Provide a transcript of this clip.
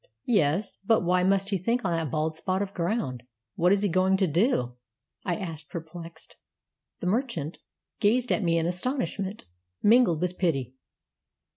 "Yes; but why must he think on that bald spot of ground? What is he going to do?" I asked, perplexed. The merchant gazed at me in astonishment, mingled with pity.